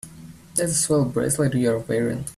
That's a swell bracelet you're wearing.